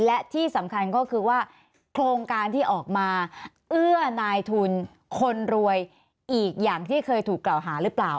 และที่สำคัญก็คือว่าโครงการที่ออกมาเอื้อนายทุนคนรวยอีกอย่างที่เคยถูกกล่าวหาหรือเปล่า